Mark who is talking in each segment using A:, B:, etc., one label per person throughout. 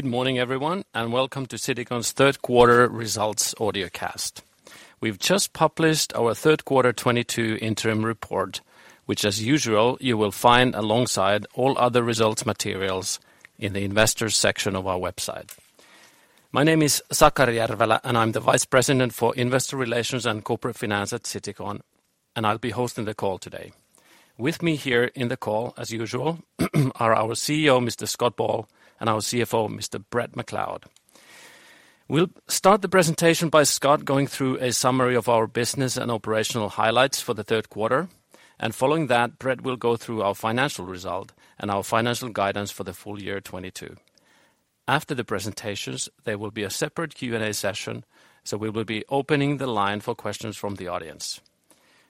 A: Good morning everyone, and welcome to Citycon's third quarter results audio cast. We've just published our third quarter 2022 interim report, which as usual, you will find alongside all other results materials in the investors section of our website. My name is Sakari Järvelä, and I'm the Vice President for investor relations and corporate finance at Citycon, and I'll be hosting the call today. With me here in the call, as usual, are our CEO, Mr. Scott Ball, and our CFO, Mr. Bret McLeod. We'll start the presentation by Scott going through a summary of our business and operational highlights for the third quarter, and following that, Bret will go through our financial result and our financial guidance for the full year 2022. After the presentations, there will be a separate Q&A session, so we will be opening the line for questions from the audience.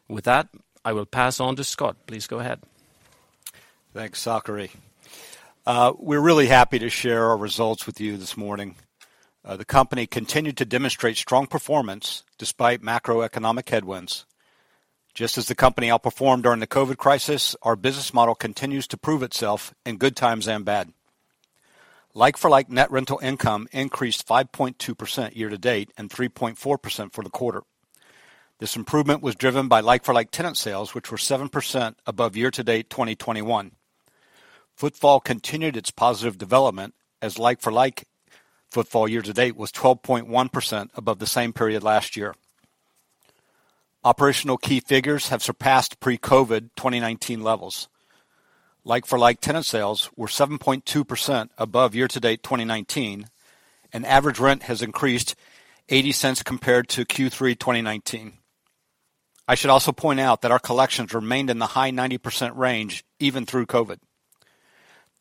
A: With that, I will pass on to Scott. Please go ahead.
B: Thanks, Sakari. We're really happy to share our results with you this morning. The company continued to demonstrate strong performance despite macroeconomic headwinds. Just as the company outperformed during the COVID crisis, our business model continues to prove itself in good times and bad. Like for like net rental income increased 5.2% year to date and 3.4% for the quarter. This improvement was driven by like for like tenant sales, which were 7% above year to date 2021. Footfall continued its positive development as like for like footfall year to date was 12.1% above the same period last year. Operational key figures have surpassed pre-COVID 2019 levels. Like for like tenant sales were 7.2% above year to date 2019, and average rent has increased 0.80 compared to Q3 2019. I should also point out that our collections remained in the high 90% range even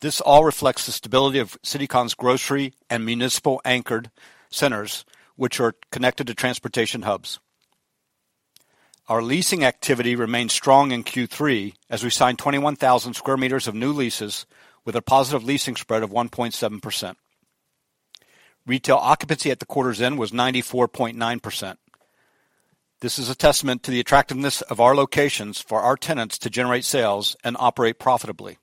B: through COVID. This all reflects the stability of Citycon's grocery and municipal anchored centers, which are connected to transportation hubs. Our leasing activity remains strong in Q3 as we signed 21,000 square meters of new leases with a positive leasing spread of 1.7%. Retail occupancy at the quarter's end was 94.9%. This is a testament to the attractiveness of our locations for our tenants to generate sales and operate profitably.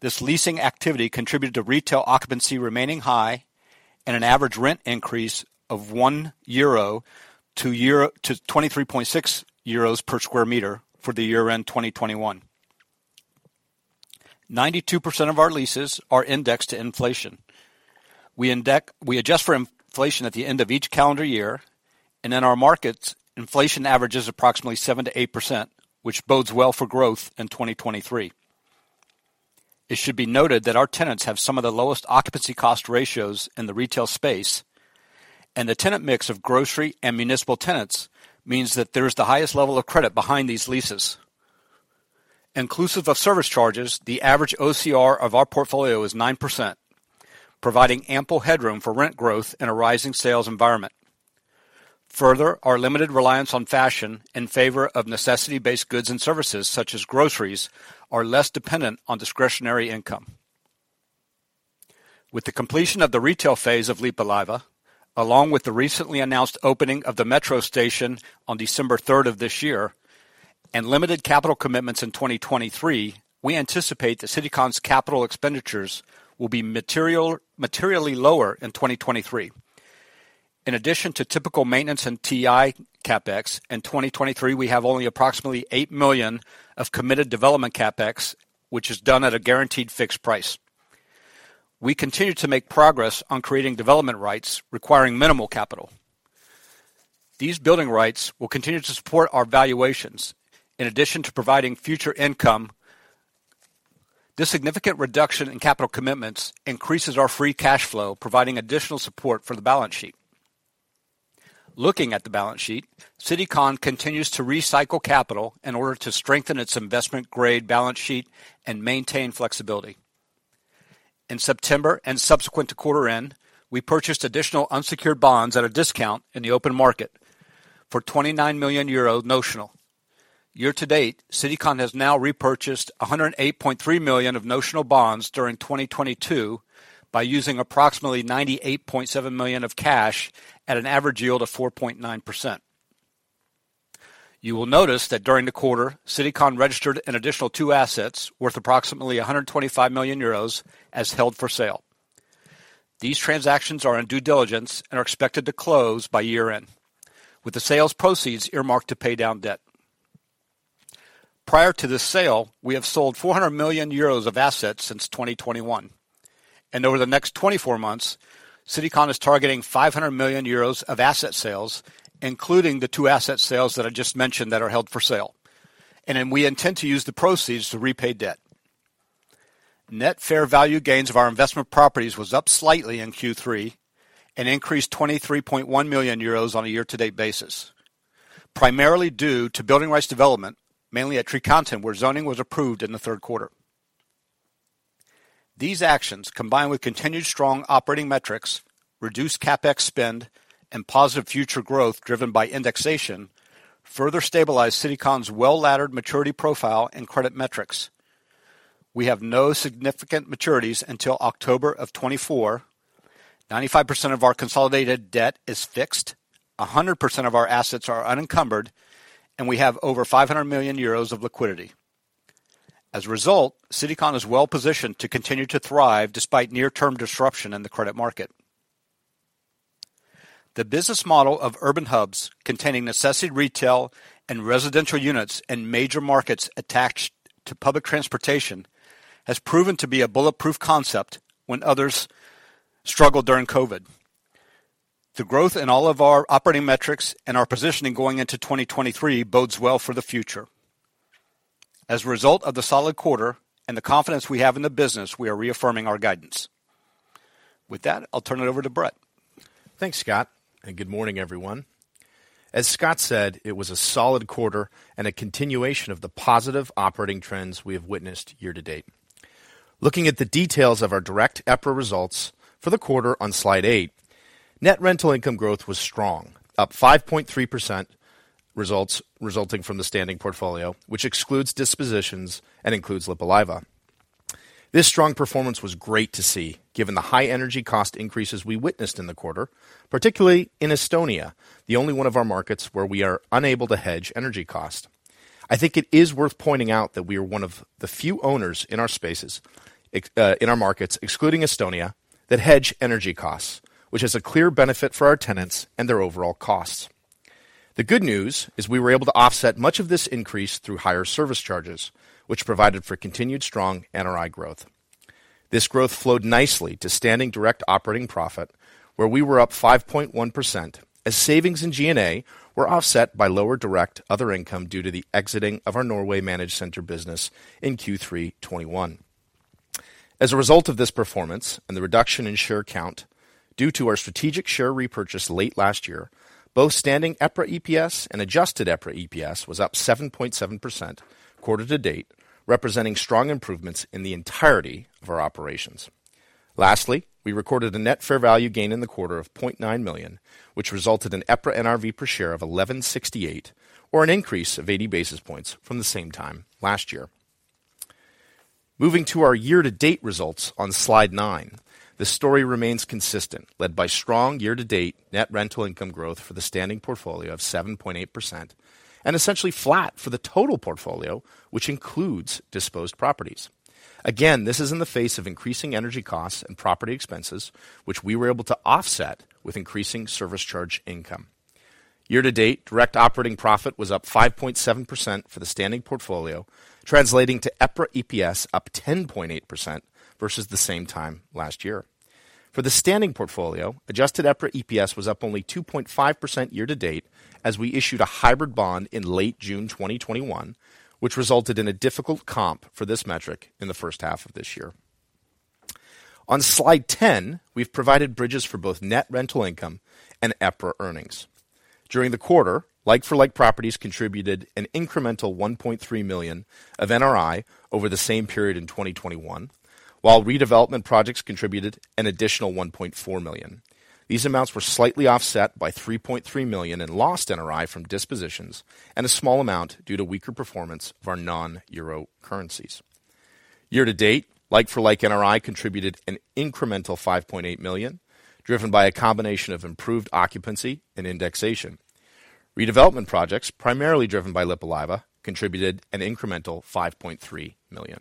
B: This leasing activity contributed to retail occupancy remaining high and an average rent increase of 1 euro to 23.6 euros per square meter for the year-end 2021. 92% of our leases are indexed to inflation. We adjust for inflation at the end of each calendar year, and in our markets, inflation average is approximately 7%-8%, which bodes well for growth in 2023. It should be noted that our tenants have some of the lowest occupancy cost ratios in the retail space, and the tenant mix of grocery and municipal tenants means that there is the highest level of credit behind these leases. Inclusive of service charges, the average OCR of our portfolio is 9%, providing ample headroom for rent growth in a rising sales environment. Further, our limited reliance on fashion in favor of necessity-based goods and services such as groceries, are less dependent on discretionary income. With the completion of the retail phase of Lippulaiva, along with the recently announced opening of the metro station on December 3 of this year, and limited capital commitments in 2023, we anticipate that Citycon's capital expenditures will be materially lower in 2023. In addition to typical maintenance and TI CapEx in 2023, we have only approximately 8 million of committed development CapEx, which is done at a guaranteed fixed price. We continue to make progress on creating development rights requiring minimal capital. These building rights will continue to support our valuations in addition to providing future income. This significant reduction in capital commitments increases our free cash flow, providing additional support for the balance sheet. Looking at the balance sheet, Citycon continues to recycle capital in order to strengthen its investment grade balance sheet and maintain flexibility. In September and subsequent to quarter end, we purchased additional unsecured bonds at a discount in the open market for 29 million euro notional. Year to date, Citycon has now repurchased 108.3 million of notional bonds during 2022 by using approximately 98.7 million of cash at an average yield of 4.9%. You will notice that during the quarter, Citycon registered an additional two assets worth approximately 125 million euros as held for sale. These transactions are in due diligence and are expected to close by year-end, with the sales proceeds earmarked to pay down debt. Prior to this sale, we have sold 400 million euros of assets since 2021. Over the next 24 months, Citycon is targeting 500 million euros of asset sales, including the two asset sales that I just mentioned that are held for sale. Then we intend to use the proceeds to repay debt. Net fair value gains of our investment properties was up slightly in Q3 and increased 23.1 million euros on a year-to-date basis, primarily due to building rights development, mainly at Trekanten, where zoning was approved in the third quarter. These actions, combined with continued strong operating metrics, reduced CapEx spend, and positive future growth driven by indexation, further stabilize Citycon's well-laddered maturity profile and credit metrics. We have no significant maturities until October 2024. 95% of our consolidated debt is fixed. 100% of our assets are unencumbered, and we have over 500 million euros of liquidity. As a result, Citycon is well positioned to continue to thrive despite near-term disruption in the credit market. The business model of urban hubs containing necessity retail and residential units and major markets attached to public transportation has proven to be a bulletproof concept when others struggled during COVID. The growth in all of our operating metrics and our positioning going into 2023 bodes well for the future. As a result of the solid quarter and the confidence we have in the business, we are reaffirming our guidance. With that, I'll turn it over to Bret.
C: Thanks, Scott, and good morning, everyone. As Scott said, it was a solid quarter and a continuation of the positive operating trends we have witnessed year-to-date. Looking at the details of our direct EPRA results for the quarter on slide eight, net rental income growth was strong, up 5.3% resulting from the standing portfolio, which excludes dispositions and includes Lippulaiva. This strong performance was great to see, given the high energy cost increases we witnessed in the quarter, particularly in Estonia, the only one of our markets where we are unable to hedge energy cost. I think it is worth pointing out that we are one of the few owners in our spaces, in our markets, excluding Estonia, that hedge energy costs, which is a clear benefit for our tenants and their overall costs. The good news is we were able to offset much of this increase through higher service charges, which provided for continued strong NRI growth. This growth flowed nicely to standing direct operating profit, where we were up 5.1% as savings in G&A were offset by lower direct other income due to the exiting of our Norway Managed Center business in Q3 2021. As a result of this performance and the reduction in share count due to our strategic share repurchase late last year, both standing EPRA EPS and adjusted EPRA EPS was up 7.7% year to date, representing strong improvements in the entirety of our operations. Lastly, we recorded a net fair value gain in the quarter of 0.9 million, which resulted in EPRA NRV per share of 11.68, or an increase of 80 basis points from the same time last year. Moving to our year-to-date results on slide nine, the story remains consistent, led by strong year-to-date net rental income growth for the standing portfolio of 7.8% and essentially flat for the total portfolio, which includes disposed properties. Again, this is in the face of increasing energy costs and property expenses, which we were able to offset with increasing service charge income. Year to date, direct operating profit was up 5.7% for the standing portfolio, translating to EPRA EPS up 10.8% versus the same time last year. For the standing portfolio, adjusted EPRA EPS was up only 2.5% year to date as we issued a hybrid bond in late June 2021, which resulted in a difficult comp for this metric in the first half of this year. On slide ten, we've provided bridges for both net rental income and EPRA earnings. During the quarter, like-for-like properties contributed an incremental EUR 1.3 million of NRI over the same period in 2021, while redevelopment projects contributed an additional 1.4 million. These amounts were slightly offset by 3.3 million in lost NRI from dispositions and a small amount due to weaker performance of our non-euro currencies. Year to date, like-for-like NRI contributed an incremental 5.8 million, driven by a combination of improved occupancy and indexation. Redevelopment projects, primarily driven by Lippulaiva, contributed an incremental 5.3 million.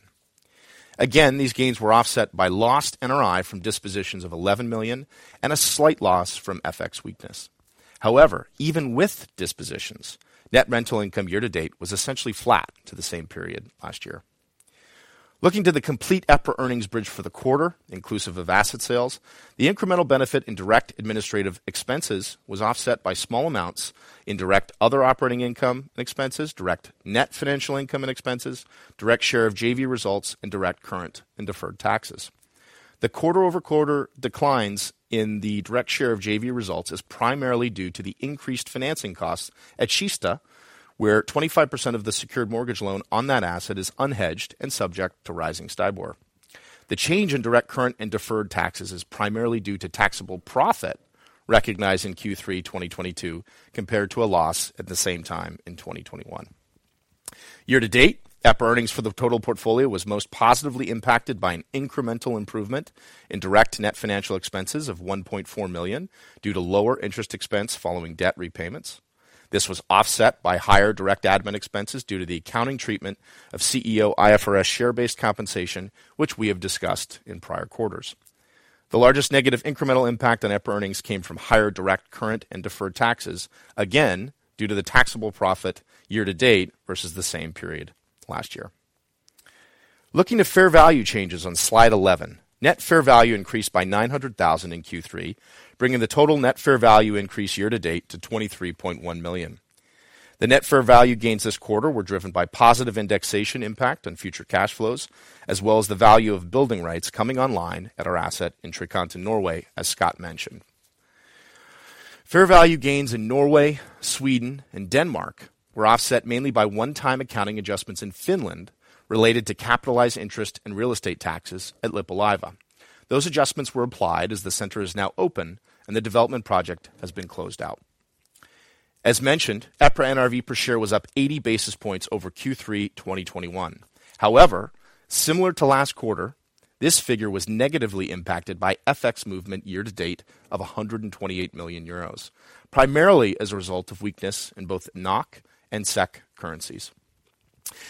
C: Again, these gains were offset by lost NRI from dispositions of 11 million and a slight loss from FX weakness. However, even with dispositions, net rental income year to date was essentially flat to the same period last year. Looking to the complete EPRA earnings bridge for the quarter, inclusive of asset sales, the incremental benefit in direct administrative expenses was offset by small amounts in direct other operating income and expenses, direct net financial income and expenses, direct share of JV results, and direct current and deferred taxes. The quarter-over-quarter declines in the direct share of JV results is primarily due to the increased financing costs at Kista, where 25% of the secured mortgage loan on that asset is unhedged and subject to rising STIBOR. The change in direct current and deferred taxes is primarily due to taxable profit recognized in Q3 2022 compared to a loss at the same time in 2021. Year to date, EPRA earnings for the total portfolio was most positively impacted by an incremental improvement in direct net financial expenses of 1.4 million due to lower interest expense following debt repayments. This was offset by higher direct admin expenses due to the accounting treatment of CEO IFRS share-based compensation, which we have discussed in prior quarters. The largest negative incremental impact on EPRA earnings came from higher direct current and deferred taxes, again, due to the taxable profit year to date versus the same period last year. Looking at fair value changes on slide 11, net fair value increased by 900,000 in Q3, bringing the total net fair value increase year to date to 23.1 million. The net fair value gains this quarter were driven by positive indexation impact on future cash flows, as well as the value of building rights coming online at our asset in Trekanten, Norway, as Scott mentioned. Fair value gains in Norway, Sweden, and Denmark were offset mainly by one-time accounting adjustments in Finland related to capitalized interest in real estate taxes at Lippulaiva. Those adjustments were applied as the center is now open and the development project has been closed out. As mentioned, EPRA NRV per share was up 80 basis points over Q3 2021. However, similar to last quarter. This figure was negatively impacted by FX movement year to date of 128 million euros, primarily as a result of weakness in both NOK and SEK currencies.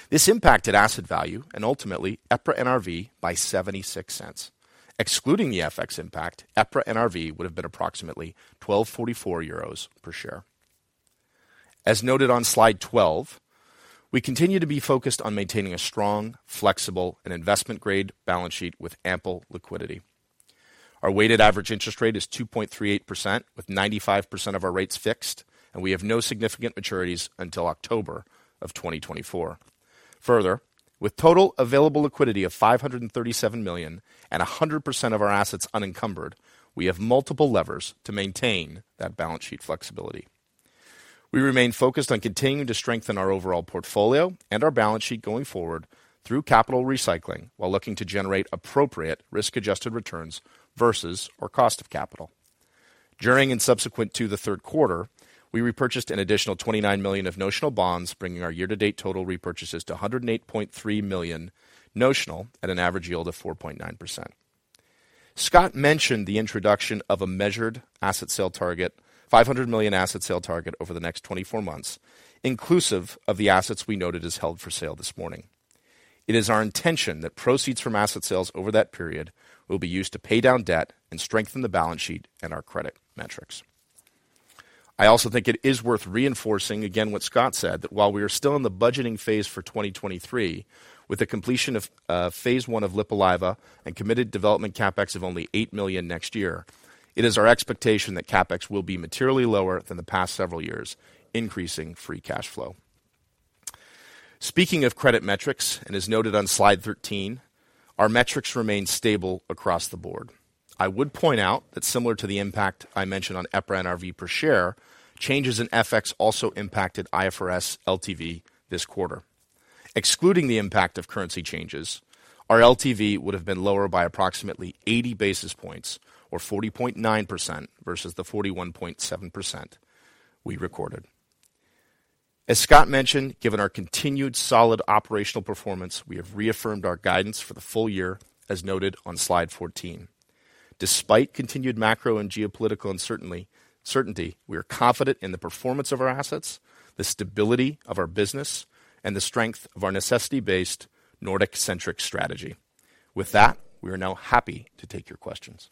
C: This impacted asset value and ultimately EPRA NRV by 0.76. Excluding the FX impact, EPRA NRV would have been approximately 1,244 euros per share. As noted on slide 12, we continue to be focused on maintaining a strong, flexible and investment grade balance sheet with ample liquidity. Our weighted average interest rate is 2.38%, with 95% of our rates fixed, and we have no significant maturities until October 2024. Further, with total available liquidity of 537 million and 100% of our assets unencumbered, we have multiple levers to maintain that balance sheet flexibility. We remain focused on continuing to strengthen our overall portfolio and our balance sheet going forward through capital recycling while looking to generate appropriate risk-adjusted returns versus our cost of capital. During and subsequent to the third quarter, we repurchased an additional 29 million of notional bonds, bringing our year to date total repurchases to 108.3 million notional at an average yield of 4.9%. Scott mentioned the introduction of a measured 500 million asset sale target over the next 24 months, inclusive of the assets we noted as held for sale this morning. It is our intention that proceeds from asset sales over that period will be used to pay down debt and strengthen the balance sheet and our credit metrics. I also think it is worth reinforcing again what Scott said, that while we are still in the budgeting phase for 2023, with the completion of phase 1 of Lippulaiva and committed development CapEx of only EUR 8 million next year, it is our expectation that CapEx will be materially lower than the past several years, increasing free cash flow. Speaking of credit metrics, as noted on slide 13, our metrics remain stable across the board. I would point out that similar to the impact I mentioned on EPRA NRV per share, changes in FX also impacted IFRS LTV this quarter. Excluding the impact of currency changes, our LTV would have been lower by approximately 80 basis points or 40.9% versus the 41.7% we recorded. As Scott mentioned, given our continued solid operational performance, we have reaffirmed our guidance for the full year as noted on slide 14. Despite continued macro and geopolitical uncertainty, we are confident in the performance of our assets, the stability of our business, and the strength of our necessity-based Nordic-centric strategy. With that, we are now happy to take your questions.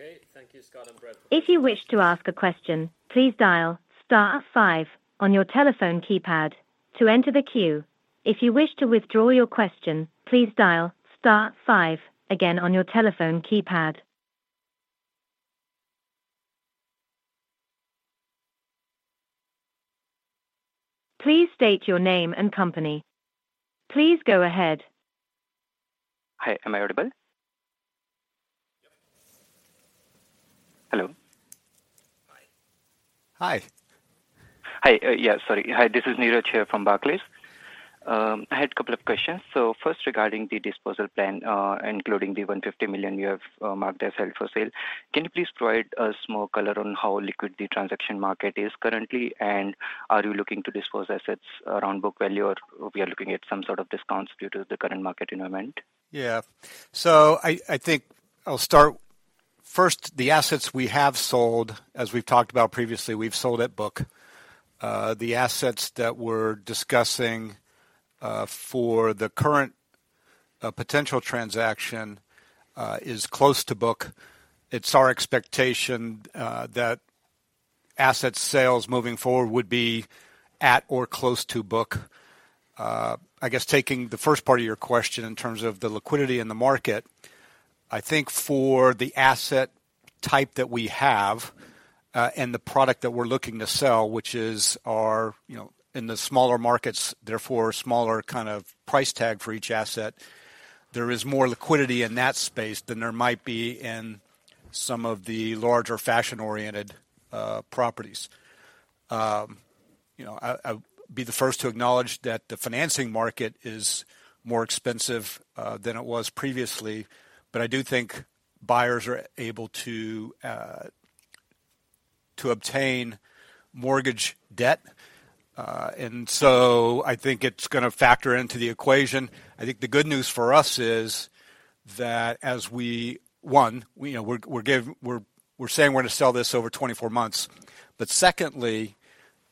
C: Okay, thank you, Scott and Bret.
D: If you wish to ask a question, please dial star five on your telephone keypad to enter the queue. If you wish to withdraw your question, please dial star five again on your telephone keypad. Please state your name and company. Please go ahead.
E: Hi. Am I audible?
C: Yep.
E: Hello.
C: Hi. Hi.
E: Hi, this is Neeraj Kumar here from Barclays. I had a couple of questions. First, regarding the disposal plan, including the 150 million you have marked as held for sale. Can you please provide us more color on how liquid the transaction market is currently? Are you looking to dispose assets around book value, or we are looking at some sort of discount due to the current market environment?
C: I think I'll start. First, the assets we have sold, as we've talked about previously, we've sold at book. The assets that we're discussing for the current potential transaction is close to book. It's our expectation that asset sales moving forward would be at or close to book. I guess taking the first part of your question in terms of the liquidity in the market. I think for the asset type that we have and the product that we're looking to sell, which is our, you know, in the smaller markets, therefore a smaller kind of price tag for each asset. There is more liquidity in that space than there might be in some of the larger fashion-oriented properties. You know, I'll be the first to acknowledge that the financing market is more expensive than it was previously. I do think buyers are able to obtain mortgage debt. I think it's gonna factor into the equation. I think the good news for us is that you know, we're saying we're gonna sell this over 24 months. Secondly,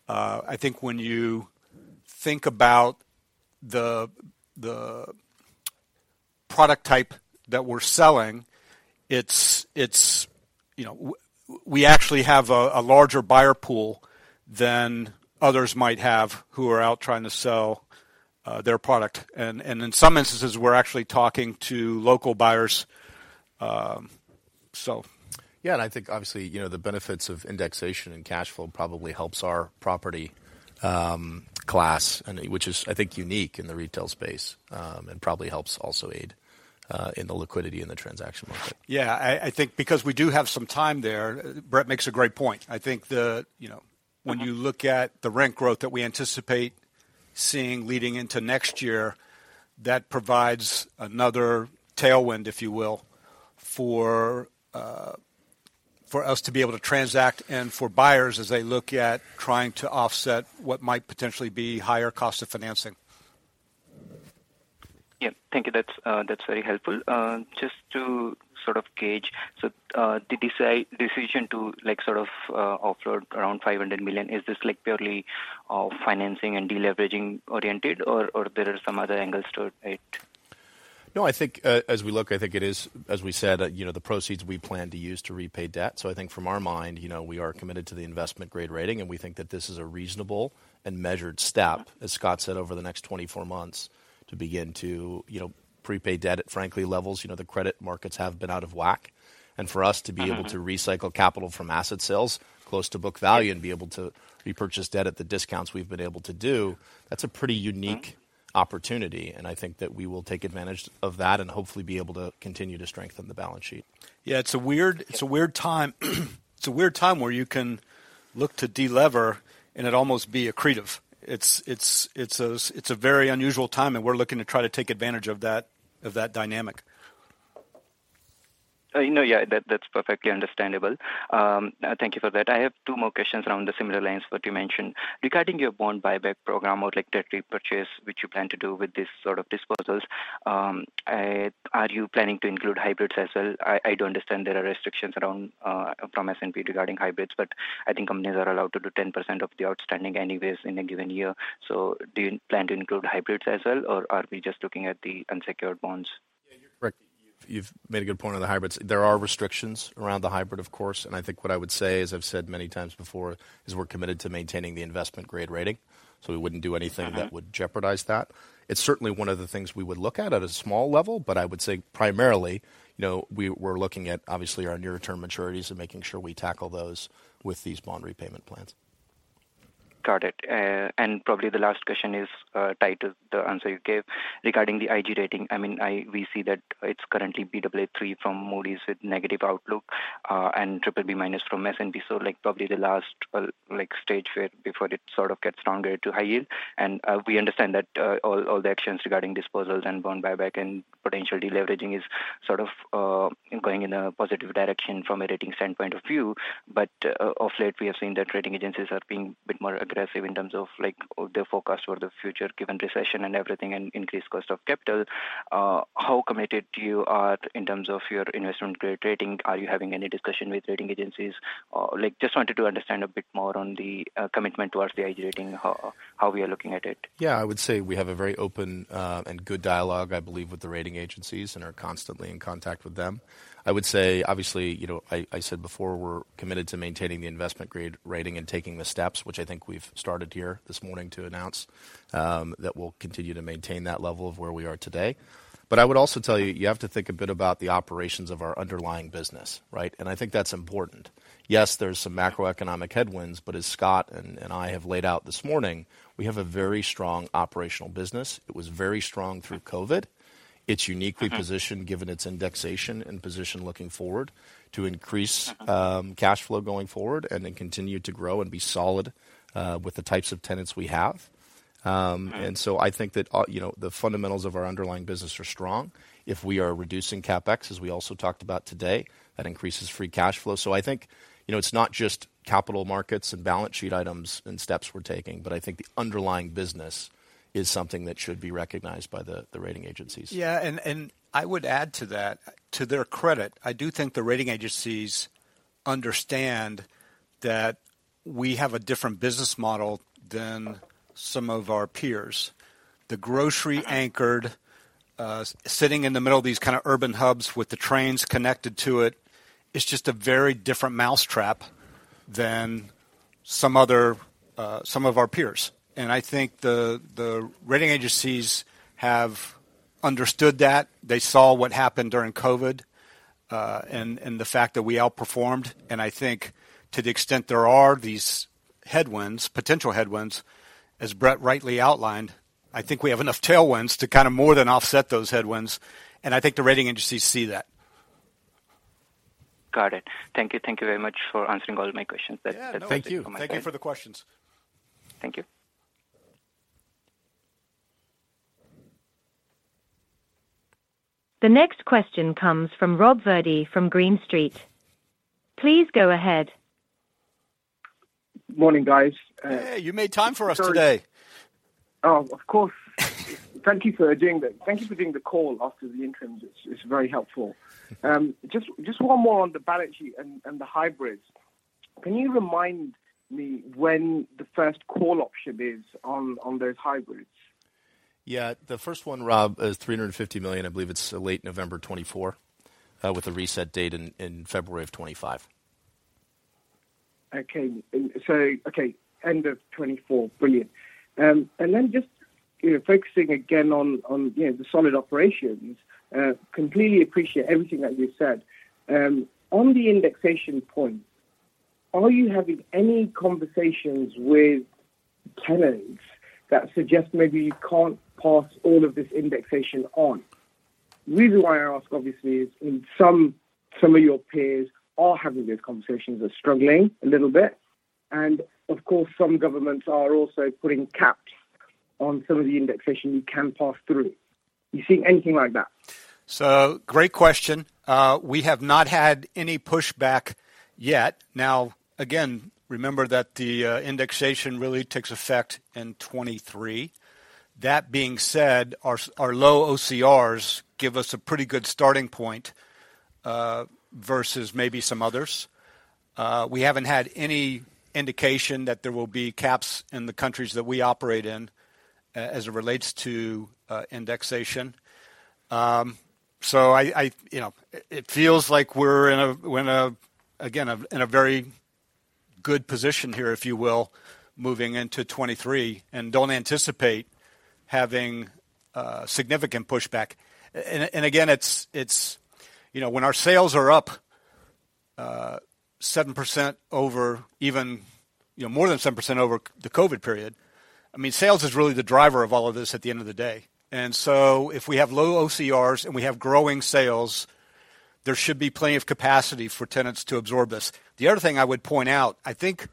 C: I think when you think about the product type that we're selling, it's you know, we actually have a larger buyer pool than others might have who are out trying to sell their product. And in some instances, we're actually talking to local buyers. So yeah.
B: I think obviously, you know, the benefits of indexation and cash flow probably helps our property class, and which is, I think, unique in the retail space, and probably helps also aid in the liquidity in the transaction market. Yeah. I think because we do have some time there, Bret makes a great point. I think, you know, when you look at the rent growth that we anticipate seeing leading into next year, that provides another tailwind, if you will, for- For us to be able to transact and for buyers as they look at trying to offset what might potentially be higher cost of financing.
E: Yeah. Thank you. That's very helpful. Just to sort of gauge. The decision to like, sort of, offload around 500 million, is this like purely financing and deleveraging oriented? Or there are some other angles to it?
C: No, I think, as we look, I think it is, as we said, you know, the proceeds we plan to use to repay debt. I think, in our mind, you know, we are committed to the investment-grade rating, and we think that this is a reasonable and measured step, as Scott said, over the next 24 months to begin to, you know, prepay debt at favorable levels. You know, the credit markets have been out of whack. For us to be able- To recycle capital from asset sales close to book value and be able to repurchase debt at the discounts we've been able to do, that's a pretty unique opportunity. I think that we will take advantage of that and hopefully be able to continue to strengthen the balance sheet.
B: Yeah, it's a weird time. It's a weird time where you can look to delever, and it almost be accretive. It's a very unusual time, and we're looking to try to take advantage of that dynamic.
E: No, yeah, that's perfectly understandable. Thank you for that. I have two more questions along similar lines to what you mentioned. Regarding your bond buyback program or like debt repurchase, which you plan to do with this sort of disposals, are you planning to include hybrids as well? I do understand there are restrictions from S&P regarding hybrids, but I think companies are allowed to do 10% of the outstanding anyways in a given year. Do you plan to include hybrids as well, or are we just looking at the unsecured bonds?
C: Yeah, you're correct. You've made a good point on the hybrids. There are restrictions around the hybrid, of course. I think what I would say, as I've said many times before, is we're committed to maintaining the investment grade rating, so we wouldn't do anything. That would jeopardize that. It's certainly one of the things we would look at at a small level, but I would say primarily, you know, we're looking at obviously our near term maturities and making sure we tackle those with these bond repayment plans.
E: Got it. Probably the last question is tied to the answer you gave regarding the IG rating. I mean, we see that it's currently Baa3 from Moody's with negative outlook, and BBB- from S&P. Like probably the last, like, stage where before it sort of gets downgraded to high yield. We understand that all the actions regarding disposals and bond buyback and potential deleveraging is sort of going in a positive direction from a rating standpoint of view. Of late, we have seen that rating agencies are being a bit more aggressive in terms of like the forecast for the future given recession and everything and increased cost of capital. How committed you are in terms of your investment grade rating? Are you having any discussion with rating agencies? Like, just wanted to understand a bit more on the commitment towards the IG rating, how we are looking at it.
C: Yeah, I would say we have a very open and good dialogue, I believe, with the rating agencies and are constantly in contact with them. I would say, obviously, you know, I said before, we're committed to maintaining the investment grade rating and taking the steps, which I think we've started here this morning to announce, that we'll continue to maintain that level of where we are today. I would also tell you have to think a bit about the operations of our underlying business, right? I think that's important. Yes, there's some macroeconomic headwinds, but as Scott and I have laid out this morning, we have a very strong operational business. It was very strong through COVID. It's uniquely positioned. given its indexation and position looking forward to increase cash flow going forward and then continue to grow and be solid with the types of tenants we have. I think that, you know, the fundamentals of our underlying business are strong. If we are reducing CapEx, as we also talked about today, that increases free cash flow. I think, you know, it's not just capital markets and balance sheet items and steps we're taking, but I think the underlying business is something that should be recognized by the rating agencies.
B: Yeah. I would add to that. To their credit, I do think the rating agencies understand that we have a different business model than some of our peers. The grocery anchored sitting in the middle of these kind of urban hubs with the trains connected to it is just a very different mousetrap than some other, some of our peers. I think the rating agencies have understood that. They saw what happened during COVID, and the fact that we outperformed. I think to the extent there are these headwinds, potential headwinds, as Bret rightly outlined, I think we have enough tailwinds to kind of more than offset those headwinds, and I think the rating agencies see that.
E: Got it. Thank you. Thank you very much for answering all of my questions.
B: Yeah. No, thank you.
C: Thank you.
B: Thank you for the questions.
E: Thank you.
D: The next question comes from Rob Virdee from Green Street. Please go ahead.
F: Morning, guys.
B: Hey, you made time for us today.
F: Oh, of course. Thank you for doing the call after the interims. It's very helpful. Just one more on the balance sheet and the hybrids. Can you remind me when the first call option is on those hybrids?
C: Yeah. The first one, Rob, is 350 million. I believe it's late November 2024, with a reset date in February of 2025.
F: End of 2024. Brilliant. Just, you know, focusing again on the solid operations, I completely appreciate everything that you said. On the indexation point, are you having any conversations with tenants that suggest maybe you can't pass all of this indexation on? The reason why I ask, obviously, is some of your peers are having those conversations. They're struggling a little bit. Of course, some governments are also putting caps on some of the indexation you can pass through. Are you seeing anything like that?
B: Great question. We have not had any pushback yet. Now, again, remember that the indexation really takes effect in 2023. That being said, our low OCRs give us a pretty good starting point versus maybe some others. We haven't had any indication that there will be caps in the countries that we operate in as it relates to indexation. You know, it feels like we're in a very good position here, if you will, moving into 2023, and don't anticipate having significant pushback. Again, it's you know, when our sales are up 7% over even, you know, more than 7% over the COVID period, I mean, sales is really the driver of all of this at the end of the day. If we have low OCRs and we have growing sales, there should be plenty of capacity for tenants to absorb this. The other thing I would point out, I think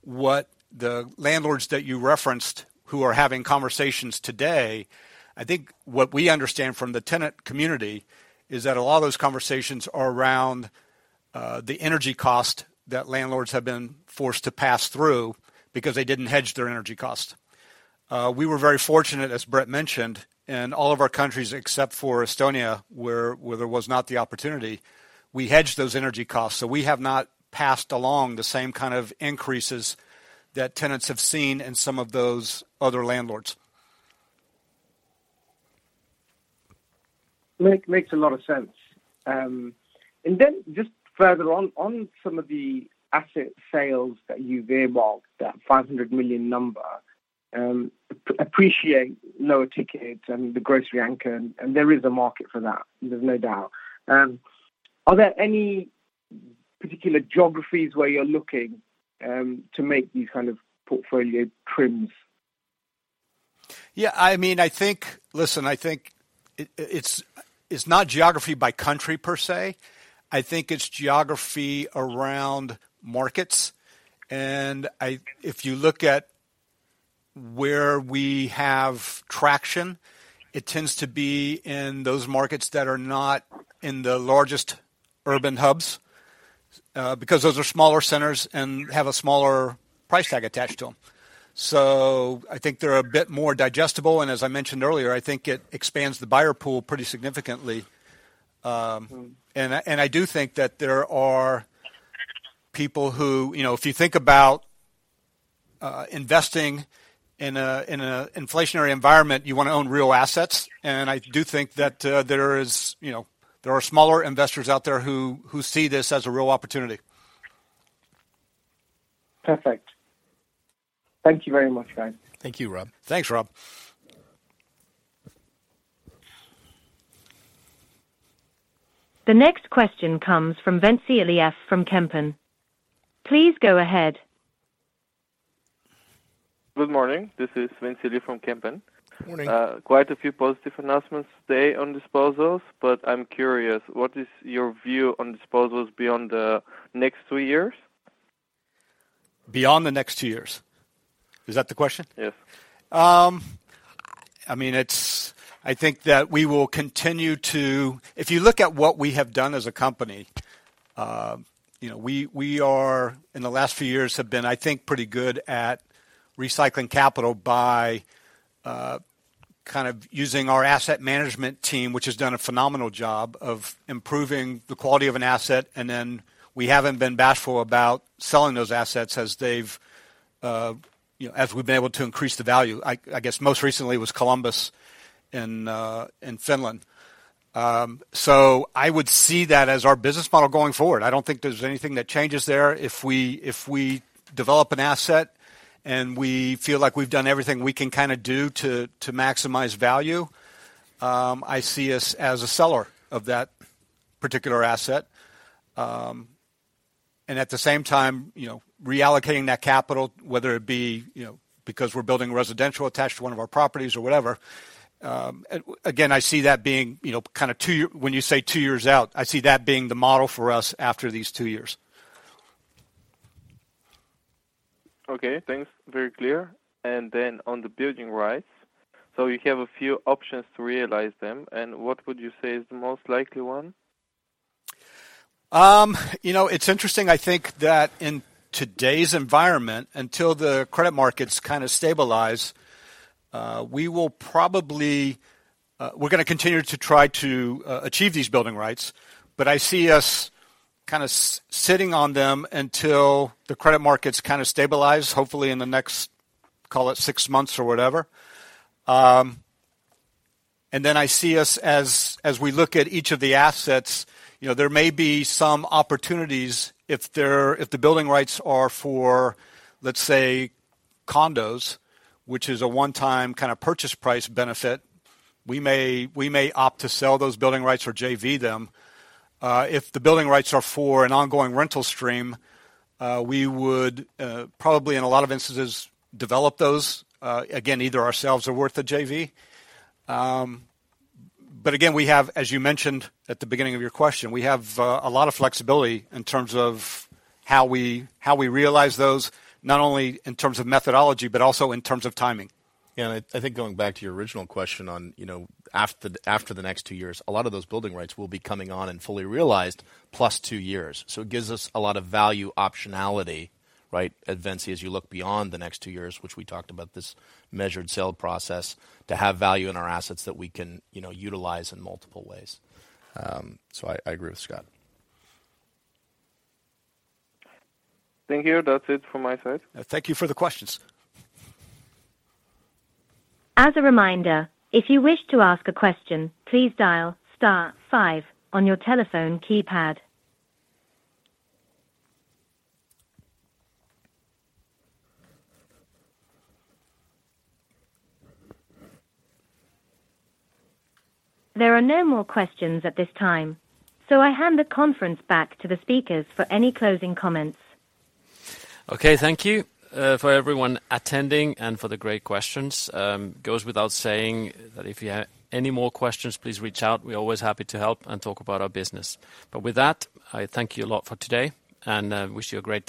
B: what the landlords that you referenced who are having conversations today, I think what we understand from the tenant community is that a lot of those conversations are around the energy cost that landlords have been forced to pass through because they didn't hedge their energy cost. We were very fortunate, as Bret mentioned, in all of our countries except for Estonia, where there was not the opportunity, we hedged those energy costs. So we have not passed along the same kind of increases that tenants have seen in some of those other landlords.
F: Makes a lot of sense. Just further on some of the asset sales that you've earmarked, that 500 million number, appreciate lower ticket and the grocery anchor, and there is a market for that, there's no doubt. Are there any particular geographies where you're looking to make these kind of portfolio trims?
B: Yeah, I mean, I think. Listen, I think it's not geography by country per se. I think it's geography around markets. If you look at where we have traction, it tends to be in those markets that are not in the largest urban hubs, because those are smaller centers and have a smaller price tag attached to them. I think they're a bit more digestible. As I mentioned earlier, I think it expands the buyer pool pretty significantly. I do think that there are people who, you know, if you think about investing in a inflationary environment, you wanna own real assets. I do think that, you know, there are smaller investors out there who see this as a real opportunity.
F: Perfect. Thank you very much, guys.
B: Thank you, Rob.
A: Thanks, Rob.
D: The next question comes from Ventsi Iliev from Kempen. Please go ahead.
G: Good morning. This is Venci from Kempen.
B: Morning.
G: Quite a few positive announcements today on disposals, but I'm curious, what is your view on disposals beyond the next two years?
B: Beyond the next two years? Is that the question?
G: Yes.
B: I mean, I think that if you look at what we have done as a company, you know, we are in the last few years have been, I think, pretty good at recycling capital by kind of using our asset management team, which has done a phenomenal job of improving the quality of an asset, and then we haven't been bashful about selling those assets as they've, you know, as we've been able to increase the value. I guess most recently was Columbus in Finland. I would see that as our business model going forward. I don't think there's anything that changes there. If we develop an asset and we feel like we've done everything we can kinda do to maximize value, I see us as a seller of that particular asset. At the same time, you know, reallocating that capital, whether it be, you know, because we're building residential attached to one of our properties or whatever, again, I see that being, you know. When you say two years out, I see that being the model for us after these two years.
G: Okay. Thanks. Very clear. On the building rights, so you have a few options to realize them, and what would you say is the most likely one?
B: You know, it's interesting. I think that in today's environment, until the credit markets kind of stabilize, we will probably, we're gonna continue to try to achieve these building rights, but I see us kind of sitting on them until the credit markets kind of stabilize, hopefully in the next, call it, six months or whatever. I see us as we look at each of the assets, you know, there may be some opportunities if they're, if the building rights are for, let's say, condos, which is a one-time kind of purchase price benefit, we may opt to sell those building rights or JV them. If the building rights are for an ongoing rental stream, we would probably in a lot of instances, develop those, again, either ourselves or with the JV. Again, as you mentioned at the beginning of your question, we have a lot of flexibility in terms of how we realize those, not only in terms of methodology, but also in terms of timing.
A: Yeah. I think going back to your original question on, you know, after the next two years, a lot of those building rights will be coming on and fully realized plus two years. It gives us a lot of value optionality, right? Venci, as you look beyond the next two years, which we talked about this measured sale process, to have value in our assets that we can, you know, utilize in multiple ways. I agree with Scott.
G: Thank you. That's it from my side.
B: Thank you for the questions.
D: As a reminder, if you wish to ask a question, please dial star five on your telephone keypad. There are no more questions at this time, so I hand the conference back to the speakers for any closing comments.
A: Okay. Thank you for everyone attending and for the great questions. It goes without saying that if you have any more questions, please reach out. We're always happy to help and talk about our business. With that, I thank you a lot for today and wish you a great day.